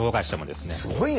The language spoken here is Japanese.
すごいね。